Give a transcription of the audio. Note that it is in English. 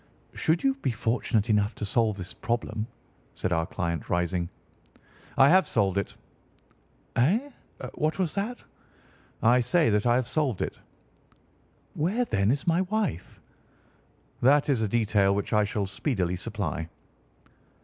"Should you be fortunate enough to solve this problem," said our client, rising. "I have solved it." "Eh? What was that?" "I say that I have solved it." "Where, then, is my wife?" "That is a detail which I shall speedily supply."